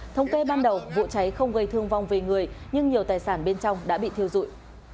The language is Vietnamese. thống kê ban đầu vụ cháy không gây thương vong về người nhưng nhiều tài sản bên trong đã bị thiêu dụi